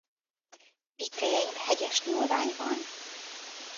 Pikkelyein hegyes nyúlvány van.